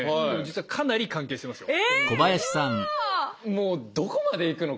もうどこまでいくの？